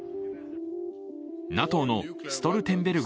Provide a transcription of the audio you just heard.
ＮＡＴＯのストルテンベルグ